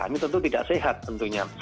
ini tentu tidak sehat tentunya